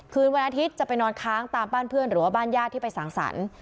คืนวันอาทิตย์จะไปนอนค้างตามบ้านเพื่อนหรือว่าบ้านญาติที่ไปสั่งสรรค์